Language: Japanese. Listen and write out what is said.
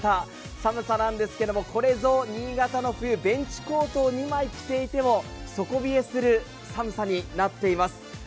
寒さなんですけれども、これぞ新潟の冬、ベンチコートを２枚着ていても底冷えする寒さになっています。